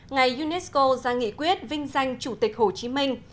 ngày unesco ra nghị quyết vinh danh chủ tịch hồ chí minh